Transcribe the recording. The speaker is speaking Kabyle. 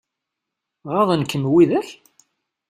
Ɣaḍen-kem widak?